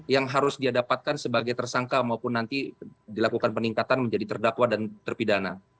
yang harus dia dapatkan sebagai tersangka maupun nanti dilakukan peningkatan menjadi terdakwa dan terpidana